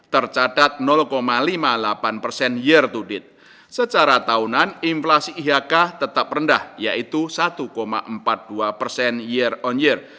tercatat lima puluh delapan persen year to date secara tahunan inflasi iak tetap rendah yaitu satu empat puluh dua persen year on year